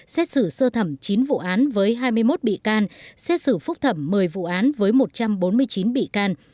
xét xử sơ thẩm chín vụ án với hai mươi một bị can xét xử phúc thẩm một mươi vụ án với một trăm bốn mươi chín bị can